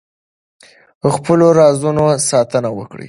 د خپلو رازونو ساتنه وکړئ.